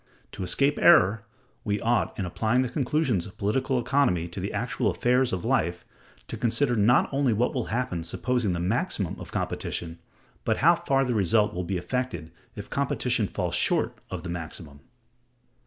To escape error, we ought, in applying the conclusions of political economy to the actual affairs of life, to consider not only what will happen supposing the maximum of competition, but how far the result will be affected if competition falls short of the maximum.